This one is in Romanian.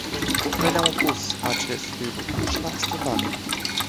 Noi ne-am opus acestui lucru și l-am schimbat.